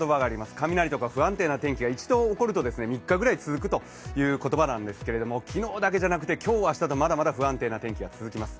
雷とか不安定な天気は、一度起こると３日ぐらい続くという言葉なんですけれども、昨日だけじゃなくて、今日、明日とまだまだ不安定な天気が続きます。